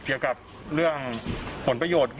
เกี่ยวกับเรื่องผลประโยชน์